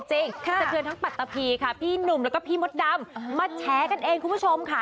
สะเทือนทั้งปัตตะพีค่ะพี่หนุ่มแล้วก็พี่มดดำมาแชร์กันเองคุณผู้ชมค่ะ